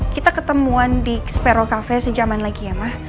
kita ketemuan di sparrow cafe sejaman lagi ya ma